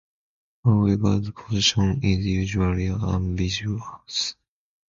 However, the position is usually ambiguous.